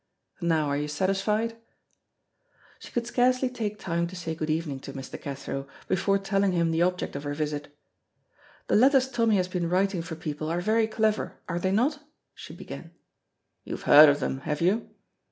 Now, are you satisfied? She could scarcely take time to say good evening to Mr. Cathro before telling him the object of her visit. "The letters Tommy has been writing for people are very clever, are they not?" she began. "You've heard of them, have you?"